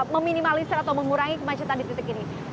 meminimalisir atau mengurangi kemacetan di titik ini